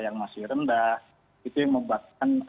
yang masih rendah itu yang membuatkan